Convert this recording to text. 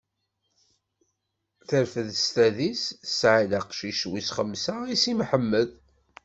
Terfed s tadist, tesɛa-d aqcic wis xemsa i Si Mḥemmed.